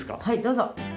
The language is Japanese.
はいどうぞ。